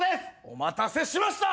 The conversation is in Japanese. お待たせしました！